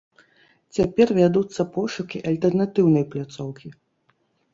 Цяпер вядуцца пошукі альтэрнатыўнай пляцоўкі.